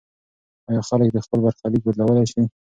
آیا خلک خپل برخلیک بدلولی سي؟